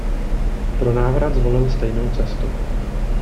Pro návrat zvolil stejnou cestu.